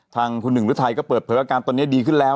ทางคุณนึกรึไทก็เปิดเผลอะการยังนะครับ